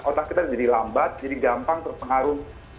otak kita jadi lambat jadi gampang terpengaruh